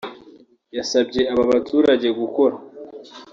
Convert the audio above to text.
yasabye aba baturage gukora